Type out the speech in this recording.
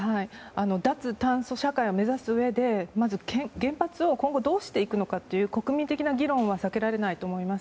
脱炭素社会を目指すうえでまず原発を今後どうしていくのかという国民的な議論は避けられないと思います。